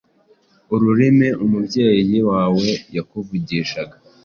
ururimi umubyeyi wawe yakuvugishaga